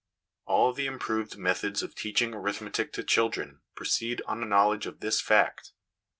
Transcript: All the improved methods of teaching arithmetic to children proceed on a knowledge of this fact.